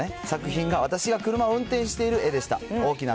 作品が、私が車を運転している絵でした。